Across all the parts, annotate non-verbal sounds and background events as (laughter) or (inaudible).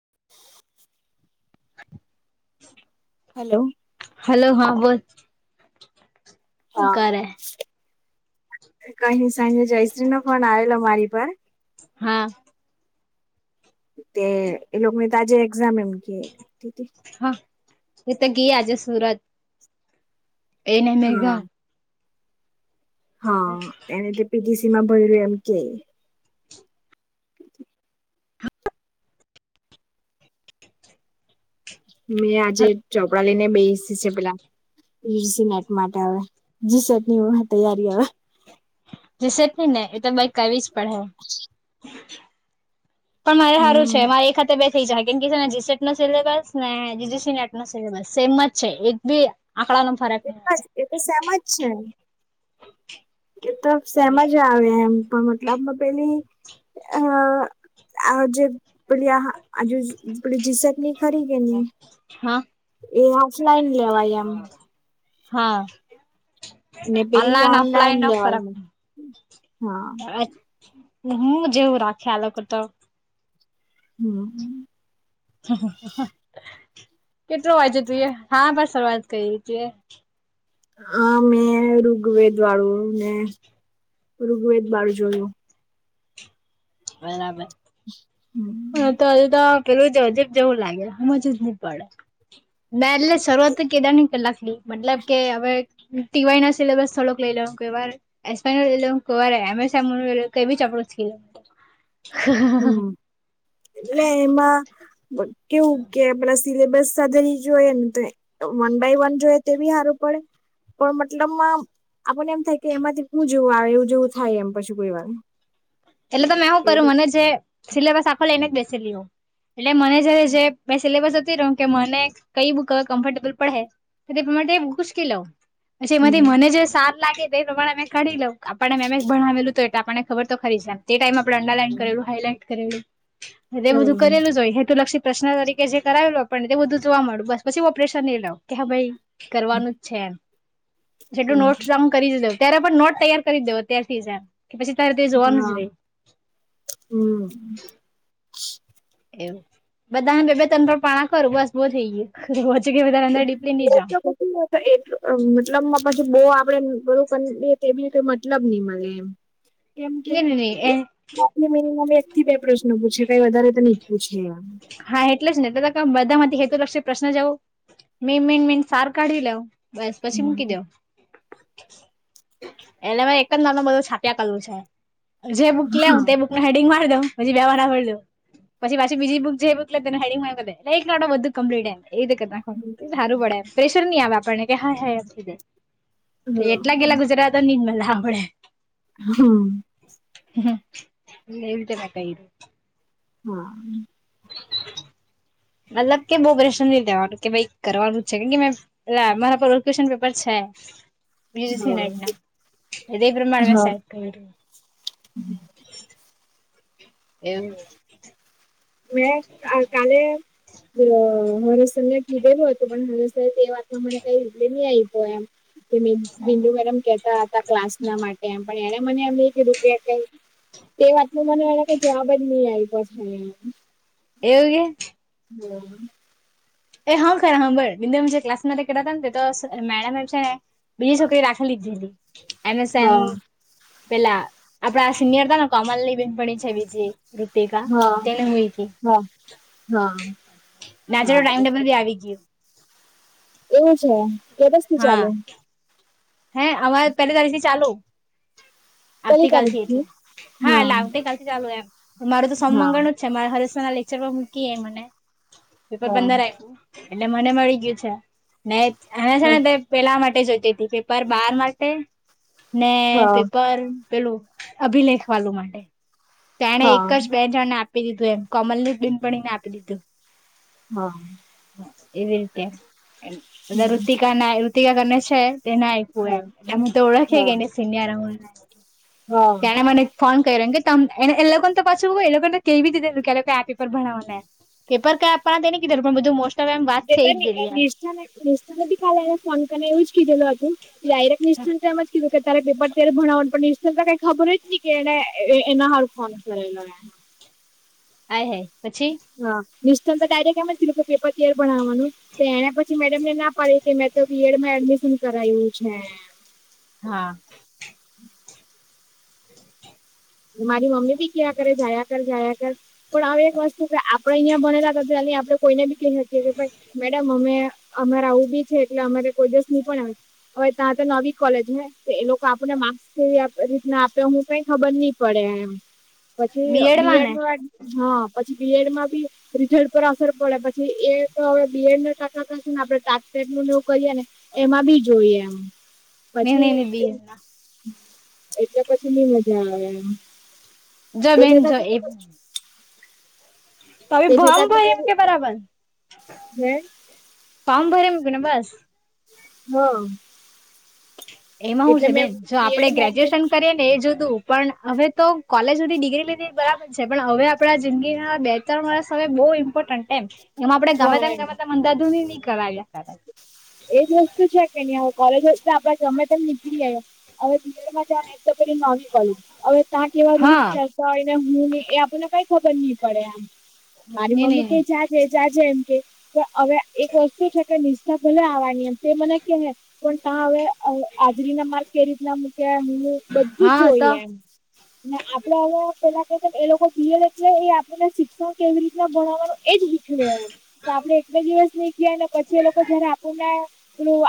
(inaudible) Hello hello હા બોલ હા કહી સાંજે જયશ્રી નો ફોન આવેલો મારી પર પણ હા તે લોકોની તો આજે એક્ઝામ એમ કે હા એ તો ગીયા આજે સુરત એને હા મેઘા હા એને પીટીસી માં ભરયું એમ કે હ મેં આજે ચોપડા લઈને બેસી છે પેલા સટ માટે હવે જી સેટની તૈયારી હવે વિશે નઈ ને એ તોઈ કર જ પડે પણ મારે સારું છે હમ મારે એક હાથે બે થઈ જાય કેમ ને જી સટ નો સિલેબસ ને જીજીસીનેટ નો સિલેબસ સેમ જ છે એક ભી એ જ એ તો શેમ જ છે એ તો શેમ જ આવે એમ પણ મતલબમાં પેલી અ આ જે પે આ આજુ પેલી જિજ્ત નની ખરી કે ન હા એ ઓફલાઈન લેવાય એમ હા ને પેલી ઓનલાઈન અપ્લાઈન ન ફરક લેવાય હા હું જેવું રાખે આ લોકો તો હમ હ કેટલો વાંચું તું એ હા પણ શરૂઆત કરી હતી હ મેં ઋગ્વેદ વાળું ને ઋગ્વેદ બાર જોયું. બરાબર હમ હા તો- હ તો પેલું જજબ જેવું લાગે સમજ જ નહી પડે ના એટલે શરૂઆત કેદારની કલાક મતલબ કે હવે ટીવાય ના સિલેબસ થોડુંક લઈ લે વા એ લઈ લે વા અમે સા કઈ બી ચપડો ખીધ હમ એટલે એમાં કેવું કે પલસ સિલેબસ સાથેધારી જોઈએ ને તો વન બાય વન જોએ તે બી સારું પડે પણ મતલબ આપને એમ થાય કે એમાંથી હું જોવું આવે એવું જેવું થાય એમ પછી કોઈવાર. એટલે તો મેં શું કર્યું મને જે સિલેબસ આખો લે એને જ બેસી હોવ. એટલે મને જયારે જે સિલેબસ કે મને કઈ બુક કમ્ફર્ટેબલ પડે તો તે બૂક ઉંચકી લેવ. પછી એમાંથી હમ મને જે સાર લાગે તે એ પ્રમાણે મે કાઢી લઉં આપણને મે ભણાવેલું તો એટલે આપ ખબર તો ખરી જ તે ટાઈમ આપડણે અંડારલાન કરેલું હાાઈલાઈટ કરેલું બધું હમ કરેલું જ હોય હ તોું લક્ષિત પ્રશ્ન તરીકે જે કરાવેલો આપણને તે બધું જોવા મળ્યું બસ પી ઓપરેશન લઈ લઉં કે હા ભાઈ કરવાનું જ છે એમ જેટું હમ નોટસમ કરી જ દ ત્યારે પણ નોટ તૈયાર કરી દેો તત્યારથી જ કે પછી તારે તે જોવાનું જ હા રહી. હમ. એવું બધાને બે -બે તન-તન પાના કરું બસ બહ થઈ ગય. (unintelligible) (unintelligible) બહ આપડે બરું કરી બી કોઈ મતલબ નહી મળે એમ. કેમ ની ની ની કેથી એ આમાંથી એક થી બે પ્રશ્નો પૂછે. કઈ વધારે તો નહી જ પૂછે એમ હા એટલે જ ને બધા માંથી હેતુ લક્ષ્ય પ્રશ્ન જવ મેી મીન મીન સારું કાઢી લેવું. બસ પછી મૂકી દવ. એને મે એક જ નામ ન બધું છાપ્યા કરલું છે. જે બુક લેઉ હા તે બુકને હેડિંગ મારી દઉં પછી બેવા નાર દો. પછી પાછી બીજી બુક જે બુક લેને હેડિન મારી દેવ એટલે બધું કંપલીત. એ તો કર નાખવાનું એ સારું પડે પ્રેશર નહી આવે આપણને કે હા હ એમીધે એટલા હમ ગેલા ગુજરાતા ની મ સાંભળે. હા. હ એ -એ રીતેના કઈું. હા. મતલબ કે બહ પ્રશ્ન ન લેવાનું કે ભાઈ કરવાનું જ છે કે- કે મે એ મારા પર ક્વેશન પેપર છે. હા બટના એ પ્રમાણેમાં સા હમ. એમ. મે કાલે હવે સર કીધેલું હતું પણ હવે સર એ વાતમાં મને કઈ રીપ્લાઇ આવી ગ્યો એમ. બિંદુ મેડમ કેતા હતા ક્લાસ ના માટે એમ પણ એને મને આ એક રૂપિયા ક એ વાત ન મને એ કઈ જવાબ જ નહી આવ્યો છે. એવગ. હમ. એ હા ખર હાબળ બિ જે ક્લાસ માં કે હતાને તો મેડમ એમ છે ને, બીજી છોકરી રાખી લીધી હતી. એમેઝન. હા પેલા આપડા સિનિયર હતા ને કોમલની બેેન પણ છે બીજી. રૂતિકા તેને હઈથી, હા હા નાચ હા ટાઈમ ટેબલ આવી ગયો. એવું છે, કે દિવસ થી ચાલુ? હે અમારે પેલી તારીખથી ચાલુ. પેલી આવતી કાલ તારીખ થી એટલે હા એટલે આવતી કાલથી ચાલુ એમ. મારું તો સોમ હા મંગળ જ છે મારા હરેશ ના લેક્ચર પર મૂકી મને, પેપર હા બડલ હા આપ્યું. એટલે મને મળી ગયું છે, ને આને છે હા ને પેલા માટે જોઈતી હતી. પેપર બાર માટે, ને પેપર પેલું અભિલેખ વાળું માટે, તો એણે એક હા જ બે જણ આપી દીધું એમ કમલની બેનપણીને આપી દીધું. હા. એવી રીતે, બધા ઋતિકા ના રિતિકા કરને છે. તે ના આપ્યું એમ તો ઓળખી હા કેને સિનીયર, હા તને મને ફોન મ કે તને એ લોકોને તો પાછું એ લોકોને તો કેવી રીતે કે લોકો આ પેપર ભણાવવા ને. પેપર કઈ આપવાના તો નને કીધું પણ બધુ મોસ્ટ ઓફ એમ વાત થઈ ગયેલી એમ નિષ્ઠા નિષ્ઠા નથીથી કરીને ફોન કરી ના એવું જ કીધેલું હતું ડાયરેક નિષ્ઠા ને એમ જ કીધું તારે પેપર ત્યારે ભણાવવાનું પણ નિષ્ઠા તો કઈ ખબર જ ન કે એને એના હારુ ફોન કરેલો હાયહાય પછી. મિ‌સે તો ડાયરેક્ટમ કીધું કે પેપર તૈયાર કરનારા વાનું તો એના પછી મેડમ ને ના પાડીકે મેં તો બી એડમાં એડમિશન કરાવ્યું છે. હા. તમારી મારી મમ્મી ભી કયા કરે જાયા કર જાયા કર. પણ હ એક વસ્તુ કે આપડે અહિયાં બનેલા હતા આપણે કોઈને બી હકી કે ભાઈ મેડમ અમે અમારે આવું બી છે એટલે અમારે કોઈ દિવસ ન પણ આવે, હવે ત્યાં તો નવી કોલેજ હ એ લોકો આપણને માર્ક્સ કેવી રીતના આપે ઈ કાઈ ખબર નહીં. પડે એમ, પછી બી બીએડમાં એડ ને ના હા પછી બી એડમાં બી રીઝલ્ટ પર અસર પડે પછી એ તો હવે બી એડને આપડે ટાટ નુ કરીએ ને એમાં બી જોઈએ એમ. નઈ નઈ પછી નઈ બીએડમાં એટલે પછી ની મજા આવે એમ. જ તે બેન જ છતાં એ બી પણ તવે તે ભલ્લમ છતાં બી ભાઈ એમ મેં કે બરાબર, હે ભ ભરી મકીને બસ. હા. એમાં શું એટલે છે મેં બેન, જો આપડે બીએડમાં એડમિટ ગ્રેજ્યુએશન કરીએ ને એ જો હતું. પણ હવે તો કોલેજ સુધી ડિગ્રી લીધી બરાબર છે, પણ હવે આપણા જિંદગીના બે ત્રણ વર્ષ બહુ બહુ ઇમ્પોર્ટન્ટ એમ, એમ આપણેે હા ગમે તેમ એમ ગમે તેમ અંધાધુની નહીં કરાવ્યાં. એજ વસ્તુ છે કે નહી કોલેજ હો તો આપડે ગમે તેમ નીકળી આવ્યાં. હવે બિ એડમાં જ ને તો પે નવી કોલેજ હવે ત્યાંક કેવા રૂલ હા હોય. હું એ આપણને કઈ ખબર નહીં પડે એમ, મારી ની ની મમ્મી કે ની જ છે. જાજે એમ કે, હવે એક વસ્તુ છે કે ભલે આવવાની એમ તે મને કે પણ ત્યાં હવે હાજરી ના માર્ક કે રીતના મુકે. કે હું બધું હા તો જોઈએ એમ, અને આપડે આવ્યા પેલા એ લોકો પ્રિય એટલે એ આપને શિક્ષણ કેવી રીતના ભણવાનું એજ કળે આપડે એક બે દિવસ નીક્યાને પછી એ લોકો જયારે આપણને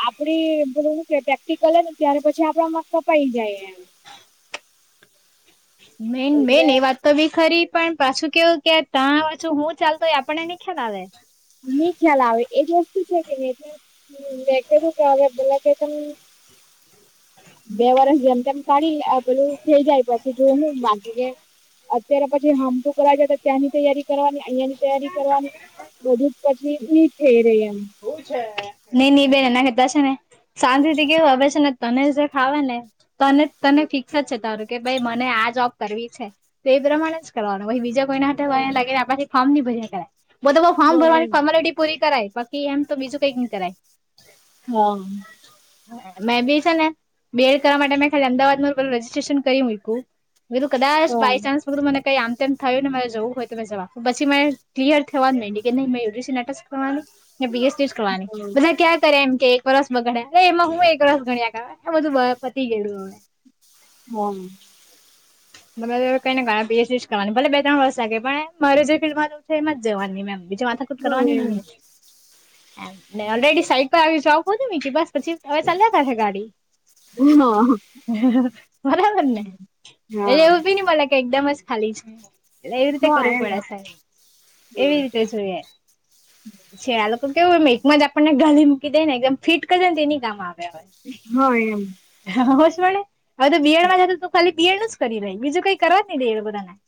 આપડી પ્રેક્ટિકલ ને ત્યારે પછી આપડા મા પઈ જાય એમ. મેન મેન એટલે એ વાત તો બી ખરી. પણ પાછું કેવું કે ત્યાં પાછું હું ચાલતુ. હોય આપણને નહીં ખ્યાલ આવે. ની ખ્યાલ આવે. એજ વસ્તુ છે. કે નને એટલે તો કે પેલા કે (unintelligible) બે વરસ જેમ તેમમ કાઢી પેલું થઈ જાય પછી જો હું માગી કે. અત્યારે પછી હામટુ કર તો ત્યાંની તૈયારી કરવાની અહંની તૈયારી કરવાની. બધું પછી ની થઈ રહી. એમ એવું છે. નઈ નની બેન એનાતાશે ને શાંતિ થી કેવું હવે છે ને તને જે ખાવા ને. તને ફિક્સ જ છે તમારું કે ભાઈ મને આ જોબ કરવી છે તો એ પ્રમાણે જ કરવાનું પછી બીજા. એના હાથે વાયર લાગે હા કોઈ લે ફોર્ની ભર કરાય બ ફોમ ભરવાની એમ ફોર્મેલિટી પૂરી કરાય કે એમ તો બીજું કંઈક ની કરાય. હ મેં બી છે ને બીએડ કરવા માટે મેં ખાલી અમદાવાદમાં રજજીસ્ટ્રેશન કરી મુકું. બીધું કદાચ હા બાય ચાન્સ બધું મને કઈ આમ તેમમ થયું ને મારે જવું હોય તો જવા પછી મ ક્લિયર થવા નડી કે નહી મે સી નાટક કરવાની. બી એસ ટી જ કરવાની હા હા બધા ક્યાં કરે એમ કે વરસ બગડ્યા અ એમાં હું એક વસ ગણ્યા ક એ બધું પતી ગયુ અવે. હમ. કઈને બી એ સીજ કરવાની ભલે બે તણ વસકે પણ મારે જે ફિલ્માં છે એમ જવાની મેમ. બીજે માથાક જ કરવાની એમ ન ને ઓલરેડી સાઈક પર આવીસ પછી. હવે ચલ્યા કર હે ગાડી બરાબને. હા એટલે એવું હા બી ની મલે કે એકદમ જ ખાલી છે. એટલે એવી રીતે એમ હા કરવું પડે એમ છે એવી રીતે જોઈએ છે. તો કેવું એમ એકમાં જ આપણને ગાલી મૂકી દે ને એકદમ ફિટ કરે ને તેની કામ આવેે. હ એમ હોશ મળે હવે તો બીયડમાં જ તો ખાલી બિએડ નું જ કરી રહી બીજું કઈ કરવા જ નહી રે બધાને.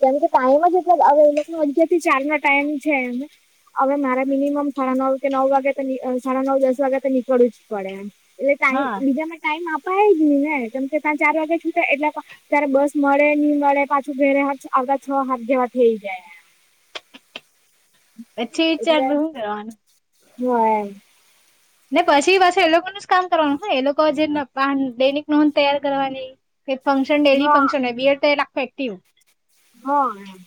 કેમ કે પાણી જેટલો એટલે હવે એ અગયાર થી ચાર ના ટાઈમ છે હવે મારે મિનિમમ સાડા નવ કે નવ વાગે તો નો. સાડા નવ દસ વાગ્યા તો નીકળવું જ પડે એમ એટલે હા ટમ બીજા ટાઈમ આપ. અપાય જ ની ને કેમ કે ત્યા ચાર વાગે છૂટે એટલે ત્યારે બસ મળે નહી મળે પાછું. વરે હાથ અગા છ હાથ જેવા થઇ જાય. પછી વિચારનું હું કરવાનું. જોઈએ. ને પછી પાછી એ લોકોનું જ કામ કરવાનું એ લોકો જે દૈનિક નોંધ તૈયાર કરવાની. કે ફંક્શન ડેલી ફંક્શન બિયર તો લખો એક્ટિવ. હ એમ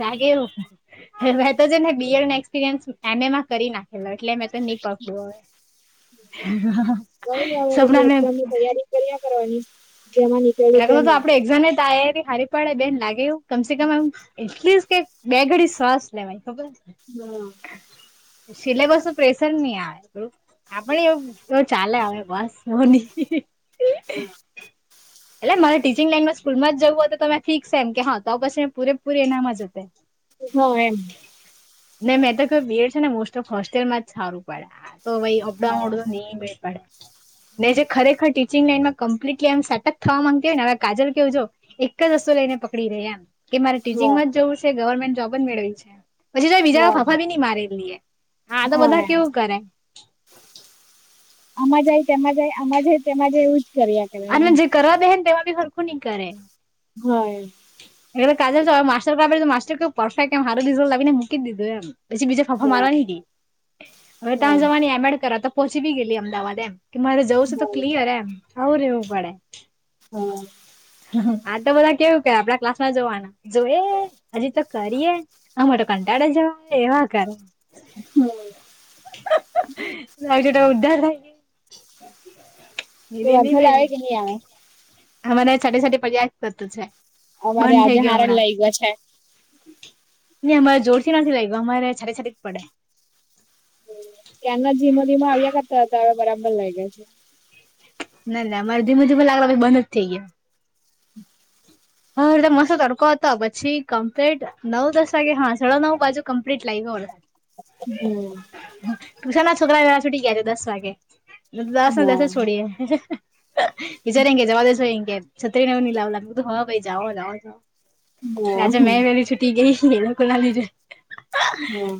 લાગે એવું તો છે ને બીડ એક્સપિરયન્સ. એને માં કરી નાખેલો એટલે મેં તો નહી પકડું હવે. કઈ ની હવે સપના બધી મેમ. એક્ઝામની તૈયારી કર્યા કરવાની જેમાં નીકળ્યું એટલા તો તેમાં આપડે એક્ઝામ તારી હારી પડે બેન લાગે એવું કમસે કમ આમ એટલી. બે ઘડી શ્વાસ લેવાય ખબર. બરાબર. સિલેબસ નું પ્રેશર નહી આવે એવુ આપવ ચાલે હવે ની હ એટલે મારે ટીચિંગ લાઈનમાં સ્કૂલમાં જવું હોય તો તમે ફીક છે એમ કે હા તો પછી પૂરેપૂરી એનામાં જ હત. હા એમ ન મેં તો ક બીડ છે ને મોસ્ટ ઓફ હોસ્ટેલમાં જ સારું પડે. તો ભઈ અપડા હા ઓડું નહી બે પાડે ને જે ખરેખર ટીચિંગ લાઈનમાં કમ્પ્લીટલી એમ સટક. થવા માંગતી હોય ને હવે કાજલ કેવું જો એક જ રસ્તુ લઈને પકડી રે એમ કે મારે હા ટીચિંગમાં જવું છે. ગવર્મેન્ટ જોબ જ મેળવી છે. પછી જો બીજા હા ફાફા ની મારેલી એ. હા, તો બધા કેવું કરે આમાં જાય તેમાં જાય આમાં જાય તેમાં જાય એવું કર્યા કરે એમ અને જે કરવા બેેહે ને તેમાં બી હરખું નહી કરે. હોય એટલે કાજલ જો આ માસ્ટર આપે તો માસ્ટર કું પરફેક્ટ એમ હારુ રિઝલ્ટ લાવી ને મૂકી દીધું એમ. પછી બીજા ફાંફા હોય મારવા નહીં ગઈ હવે ત્યાં જવાની એમ એડ કરવા તો પહોંચી બી ગેલી અમદાવાદ એમ. કે મારે જવું છે તો હોય ક્લિયર એમ, આવું રહેેવું પડે. હા. આ તો બધા કેવું કે આપડા ક્લાસમાં જોવાના જોઈએ, હજી તો કરીએ આમાં તો કંટાળ અરે જેવું કે એવા કર. હમ. લાગે જો ઉધાર થાય. તો નીની ની વરસાદ બેન આયો કે નહી આયો. અમારે સાઠે સાઠે પર્યા કરતું છે. અમારે આજે હારા લઇ ગયો છે. નહીં અમારે જોરથી નથી લય ગયું. અમારે છાટે છાટે જ પડે. ત્યાંના ધીમો ધીમો આવ્યા કરતા હતા, હવે બરાબર લાગ્યા છે. ના ના અરે ધીમે ધીમે લાગેલા બંધ જ થઈ ગયું. (inaudible) હા એટ મસ્તો તડકો હતો, પછી કમ્પ્લીટ નવ દસ વાગે હા સાડા નવ બાજુ કમ્પ્લીટ લાગો. હું. ટ્યુશન ના છોકરા છૂટી ગયા છે, દસ વાગે દસ ને હા દસે જ છોડીએે. વિચાર એ કે જવા દેશો એ કે છત્રી નગર ની લાવવા લાગું હા ભાઈ જાઓ જાઓ જાઓ. આજે હા મેં વેલી છુટી ગઈ એ લોકો ના લીધે. હા.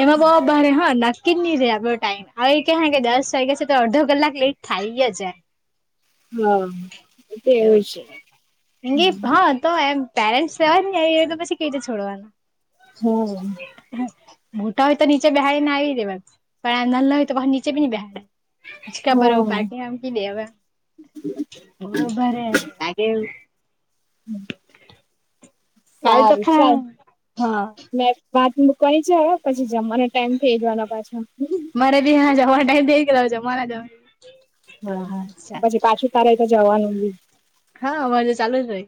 એમાં બહુ ભારે હન. નક્કી જ નહી રે આપડો ટાઈમ હવે કે કે દસ વાગે છે, તો અડધો કલાક લેટ થાય જ એ. હા એવું તેવું જ કે. એન કે હા તો એમ પેરેન્ટસ જવાય ને તો પછી કઈ રીતે છોડવાનું, હમ્મ. મોટા હોય તો નીચે બેહારીને આવી દેવાનું. પણ આ નાલલા હોય તો બહાર નીચે નહીં બેહાડા હિંચકા પર હમ પાકિ હામકી દેવા. ઉભારે લાગેઉ હમ્મ. કાલ તો સારું ખરા ચાલ. હા મૈ વાત મૂકવાની છે હવે પછી જમવા અને ટાઈમ થઇ જવાનો પાછો. કે જમાના દ બરાબર પછી પાછું તારે તો જવાનું બી હા, અમારે જે ચાલુ રહે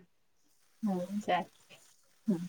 હા ચાલ. હા.